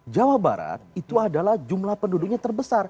jawa barat itu adalah jumlah penduduknya terbesar